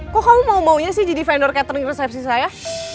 kok kamu maunya sih jadi vendor catering resepsi saya